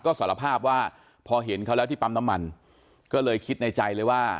ก็สารภาพว่าพอเห็นเขาแล้วที่ปั๊มน้ำมันก็เลยคิดในใจเลยว่า